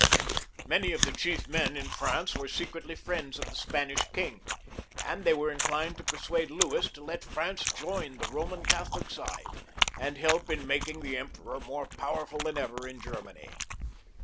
Many of the chief XLii.] LOUIS XIIL 321 men in France were secretly friends of the Spanish Mng, and they were inclined to persuade Louis to let France join the Eoman Catholic side, and help in making the Emperor more powerful than ever in Germany.